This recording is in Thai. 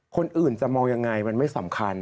คนอื่นจะมองยังไงมันไม่สำคัญ